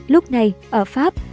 lúc này ở pháp